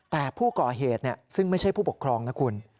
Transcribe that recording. แต่ผู้ก่อเหตุซึ่งไม่ใช่ผู้ปกครองนะคุณ